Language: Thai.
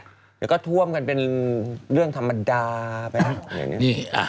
เดี๋ยวก็ท่วมกันเป็นเรื่องธรรมดาไปนะ